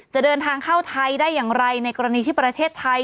จะเดินทางเข้าไทยได้อย่างไรในกรณีที่ประเทศไทย